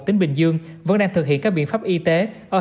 tỉnh bình dương vẫn đang thực hiện các biện pháp y tế